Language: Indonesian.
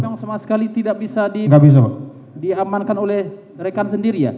memang sama sekali tidak bisa diamankan oleh rekan sendiri ya